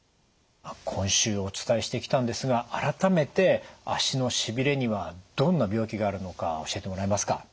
今週お伝えしてきたんですが改めて足のしびれにはどんな病気があるのか教えてもらえますか？